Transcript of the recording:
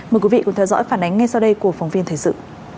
mời quý vị cùng theo dõi phản ánh ngay sau đây của phóng viên thời sự